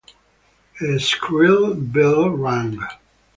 A shrill bell rang.